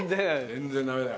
全然ダメだよ。